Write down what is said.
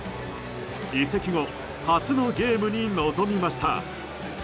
移籍後初のゲームに臨みました。